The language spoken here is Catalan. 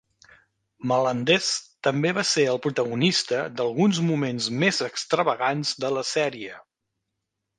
Melendez també va ser el protagonista d'alguns moments més extravagants de la sèrie.